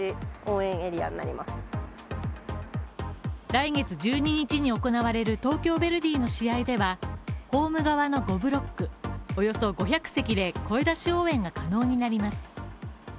来月１０日に行われる東京ヴェルディの試合ではホーム側の５ブロック、およそ５００席で声出し応援が可能になります。